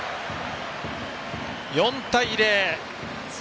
４対０。